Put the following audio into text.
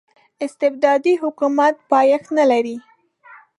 استبدادي حکومت پایښت نلري.